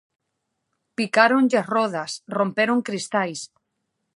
Picáronlles rodas, romperon cristais...